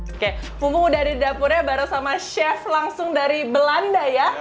oke pumbung udah di dapurnya bareng sama chef langsung dari belanda ya